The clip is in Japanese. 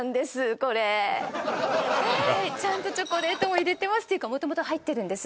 これちゃんとチョコレートも入れてますていうか元々入ってるんです